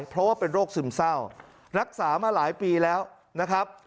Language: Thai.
เพราะว่าเป็นโรคซึมเศร้ารักษามาหลายปีแล้วนะครับ